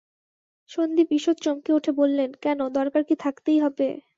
সন্দীপ ঈষৎ চমকে উঠে বললেন, কেন, দরকার কি থাকতেই হবে?